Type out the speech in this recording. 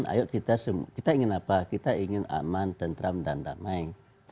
ayo kita ingin apa kita ingin aman tentram dan damai